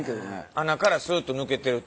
穴からスッと抜けてると。